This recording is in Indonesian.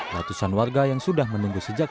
ratusan warga yang sudah menunggu sejak